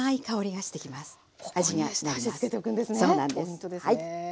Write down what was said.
ポイントですね。